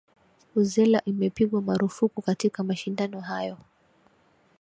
uzela imepigwa marufuku katika mashindano hayo